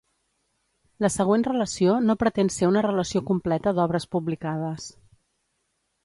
La següent relació no pretén ser una relació completa d'obres publicades.